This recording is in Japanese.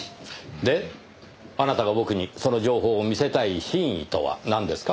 であなたが僕にその情報を見せたい真意とはなんですか？